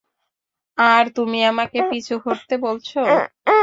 আর তুমি আমাকে পিছু হটতে বলছো।